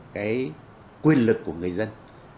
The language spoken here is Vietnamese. cái quyền lực của người dân